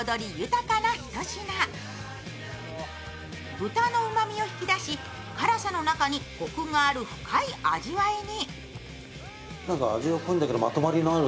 豚のうまみを引き出し、辛さの中にこくがある深い味わいに。